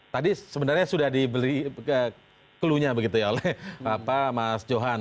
tadi sebenarnya sudah diberi klunya begitu ya oleh pak mas johan